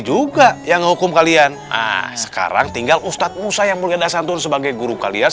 juga yang hukum kalian nah sekarang tinggal ustadz musa yang mulia dasantur sebagai guru kalian